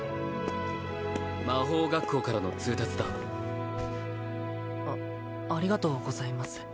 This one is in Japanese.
魔法学校からの通達だあありがとうございます